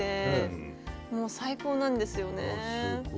もう最高なんですよね。